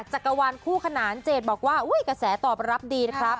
จักรวาลคู่ขนานเจดบอกว่าอุ๊ยกระแสตอบรับดีนะครับ